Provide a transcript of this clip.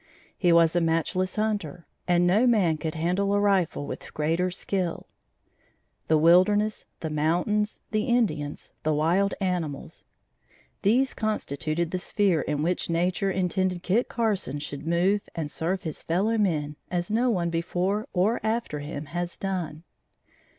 He was a matchless hunter, and no man could handle a rifle with greater skill. The wilderness, the mountains, the Indians, the wild animals these constituted the sphere in which nature intended Kit Carson should move and serve his fellow men as no one before or after him has done.